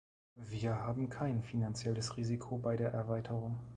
Wir haben kein finanzielles Risiko bei der Erweiterung.